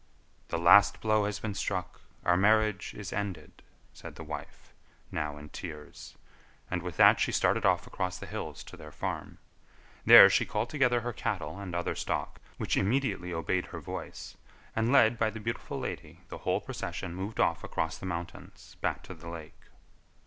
"The last blow has been struck; our marriage is ended," said the wife, now in tears; and with that she started off across the hills to their farm. There she called together her cattle and other stock, which immediately obeyed her voice, and, led by the beautiful lady, the whole procession moved off across the mountains back to the lake.